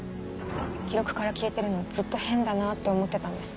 記録から消えてるのずっと変だなって思ってたんです。